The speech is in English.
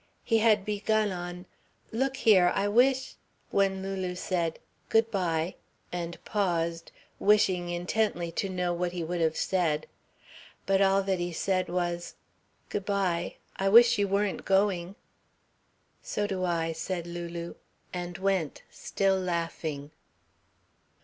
He had begun on "Look here, I wish ..." when Lulu said "good bye," and paused, wishing intensely to know what he would have said. But all that he said was: "Good bye. I wish you weren't going." "So do I," said Lulu, and went, still laughing.